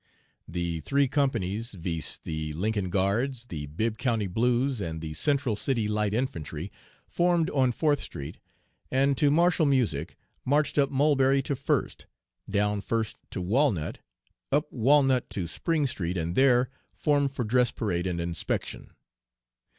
"The three companies, viz., the Lincoln Guards, the Bibb County Blues, and the Central City Light Infantry, formed on Fourth Street, and to martial music marched up Mulberry to First, down First to Walnut, up Walnut to Spring Street, and there formed for dress parade and inspection.